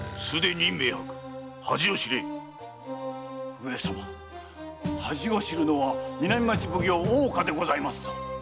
上様恥を知るのは南町奉行・大岡でございますぞ。